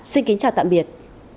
xin kính chào tạm biệt